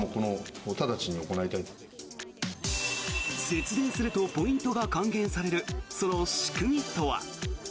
節電するとポイントが還元されるその仕組みとは。